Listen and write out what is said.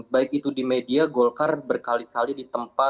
baik itu di media golkar berkali kali ditempa